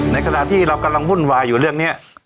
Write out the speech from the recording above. ในขณะที่เรากำลังวุ่นวายอยู่เรื่องนี้